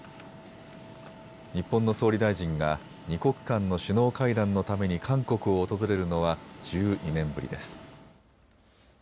日本の総理大臣が２国間の首脳会談のために韓国を訪れるのは１２年ぶりです。